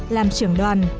làm trưởng đoàn